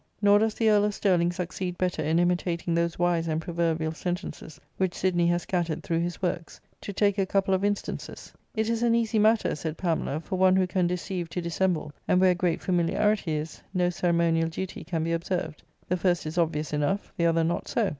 Nor does the Earl of Sterling succeed better in imitating those wise and proverbial sentences which Sidney has scattered through his works ; to take a couple of instances :"*// is an easy matter^ said Pamela, ^for one who can deceive to dissemble, and where great familiarity is, no ceremonial duty can be observed f^'* the first is obvious enough, the other not so.